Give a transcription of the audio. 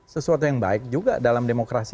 sesuatu yang baik juga dalam demokrasi